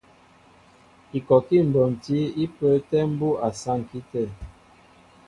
Ikɔkí mbonti í pə́ə́tɛ̄ mbú' a saŋki tə̂.